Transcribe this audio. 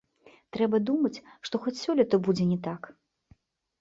Трэба думаць, што хоць сёлета будзе не так.